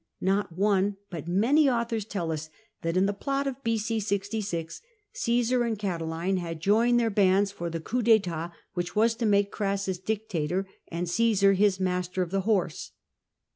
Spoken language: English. Not one, but many authors tell us that in the plot of B.o. 66 Osssar and Catiline had joined their bands for the coup d^Mat which was to make Crassus Dictator and Csesar his Master of the Horse.